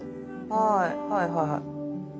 はいはいはいはい。